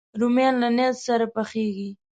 رومیان له نیت سره پخېږي